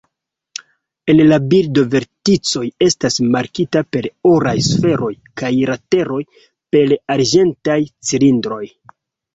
En la bildo verticoj estas markita per oraj sferoj, kaj lateroj per arĝentaj cilindroj.